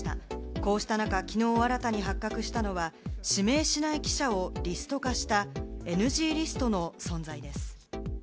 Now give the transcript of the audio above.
こうした中、きのう新たに発覚したのは、指名しない記者をリスト化した、ＮＧリストの存在です。